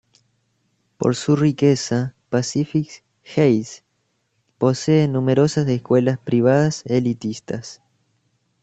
Por su riqueza, Pacific Heights posee numerosas escuelas privadas elitistas.